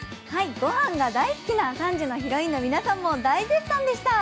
ごはんが大好きな３時のヒロインの皆さんも大絶賛でした。